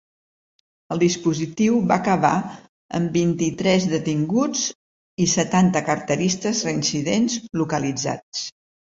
El dispositiu va acabar amb vint-i-tres detinguts i setanta carteristes reincidents localitzats.